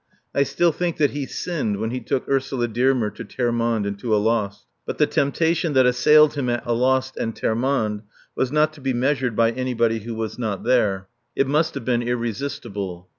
I still think that he sinned when he took Ursula Dearmer to Termonde and to Alost. But the temptation that assailed him at Alost and Termonde was not to be measured by anybody who was not there. It must have been irresistible.